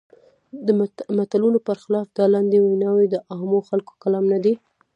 د متلونو پر خلاف دا لنډې ویناوی د عامو خلکو کلام نه دی.